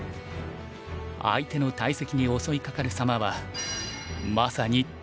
相手の大石に襲いかかる様はまさに虎。